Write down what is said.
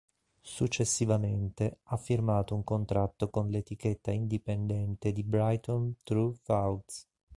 Successivamente ha firmato un contratto con l'etichetta indipendente di Brighton Tru Thoughts.